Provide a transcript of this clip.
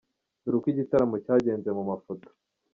Dore uko iki gitaramo cyagenze mu mafoto.